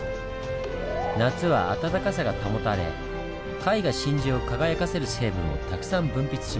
夏はあたたかさが保たれ貝が真珠を輝かせる成分をたくさん分泌します。